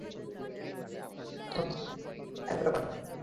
ট্রাকচালক এমরান হোসেন ওরফে শিপনের স্ত্রী শাহনাজ বেগম চেক গ্রহণ করেন।